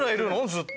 ずっと。